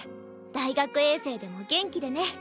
大学衛星でも元気でね。